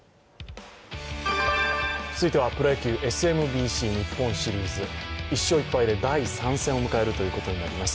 続いてはプロ野球、ＳＭＢＣ日本シリーズ。１勝１敗で第３戦を迎えることになります。